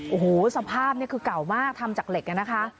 โอ้โหสภาพนี่คือเก่ามากทำจากเหล็กนะคะ